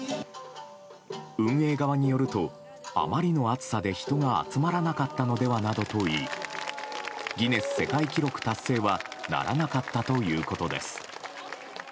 運営側によると、あまりの暑さで人が集まらなかったのではなどと言いギネス世界記録達成はならなかったということです。